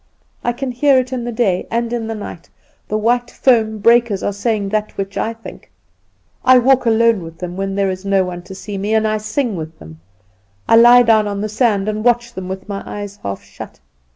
I can hear it in the day and in the night; the white foam breakers are saying that which I think. I walk alone with them when there is no one to see me, and I sing with them. I lie down on the sand and watch them with my eyes half shut.